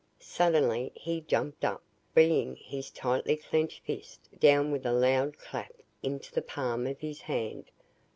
Suddenly he jumped up, bringing his tightly clenched fist down with a loud clap into the palm of his hand.